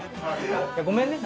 ごめんね。